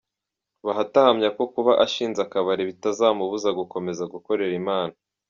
Bahati ahamya ko kuba ashinze akabari bitazamubuza gukomeza gukorera Imana.